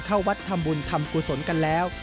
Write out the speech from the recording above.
เข้าวัดทำบุญทำกุศลกันแล้ว